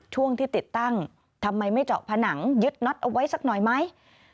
ช่วงที่ติดตั้งทำไมไม่เจาะผนังยึดน็อตเอาไว้สักหน่อยไหม